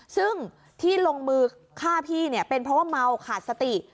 ซึ่งที่ลงมือฆ่าพี่เป็นเพราะเมาหักขาดสติ